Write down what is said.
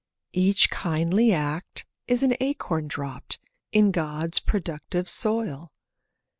Each kindly act is an acorn dropped In God's productive soil.